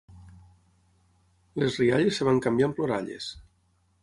Les rialles es van canviar en ploralles.